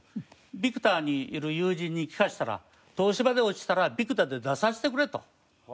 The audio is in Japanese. ビクターにいる友人に聴かせたら東芝で落ちたらビクターで出させてくれと。